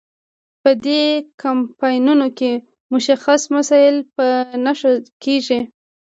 په دې کمپاینونو کې مشخص مسایل په نښه کیږي.